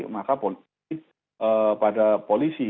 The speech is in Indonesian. maka pada polisi